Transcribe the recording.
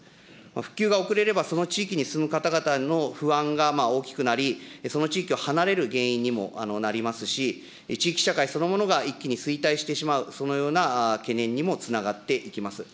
復旧が遅れれば、その地域に住む方々の不安が大きくなり、その地域を離れる原因にもなりますし、地域社会そのものが一気に衰退してしまう、そのような懸念にもつながっていきます。